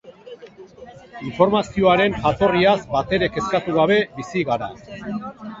Informazioaren jatorriaz batere kezkatu gabe bizi gara.